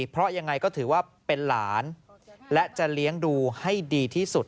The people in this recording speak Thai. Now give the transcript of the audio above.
เพราะยังไงก็ถือว่าเป็นหลานและจะเลี้ยงดูให้ดีที่สุด